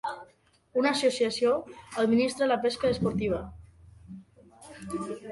Una associació administra la pesca esportiva.